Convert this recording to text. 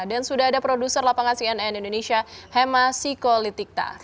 dan sudah ada produser lapangan cnn indonesia hema sikolitikta